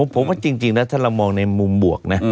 ผมว่าจริงนะถ้าเรามองในมุมบวกนะ